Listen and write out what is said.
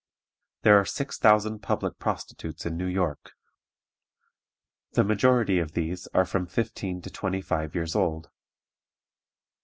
There are six thousand public prostitutes in New York. The majority of these are from fifteen to twenty five years old.